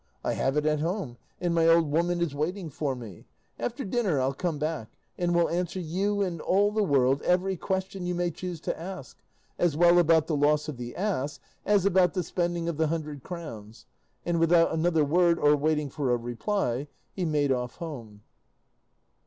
I have it at home, and my old woman is waiting for me; after dinner I'll come back, and will answer you and all the world every question you may choose to ask, as well about the loss of the ass as about the spending of the hundred crowns;" and without another word or waiting for a reply he made off home.